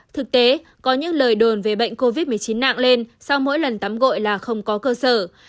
thực tế có những lời đồn về bệnh covid một mươi chín nặng lên sau mỗi lần tắm gội là không có cơ sở